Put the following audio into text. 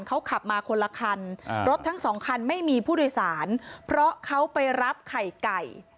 เขาขับมาคนละคันรถทั้งสองคันไม่มีผู้โดยสารเพราะเขาไปรับไข่ไก่